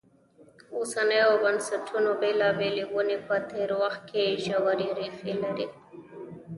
اوسنیو بنسټونو بېلابېلې ونې په تېر وخت کې ژورې ریښې لري.